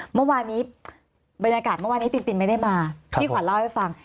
เมื่อวานนี้บรรยากาศเมื่อวานนี้ตินตินไม่ได้มาพี่ขวัญเล่าให้ฟัง